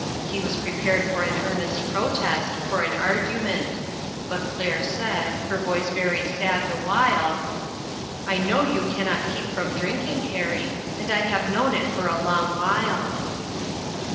He was prepared for an earnest protest, for an argument; but Claire said, her voice very sad the while : "I know you can not keep from drink ing, Harry, and I have known it for a long while."